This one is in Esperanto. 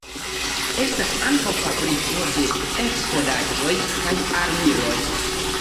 Estas ankaŭ fabriko de eksplodaĵoj kaj armiloj.